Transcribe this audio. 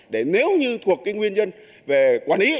để nếu như thuộc cái nguyên nhân về quản lý